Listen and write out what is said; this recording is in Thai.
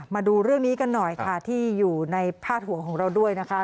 มาดูเรื่องนี้กันหน่อยค่ะที่อยู่ในพาดหัวของเราด้วยนะคะ